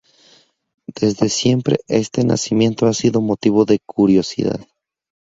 Desde siempre este nacimiento ha sido motivo de curiosidad.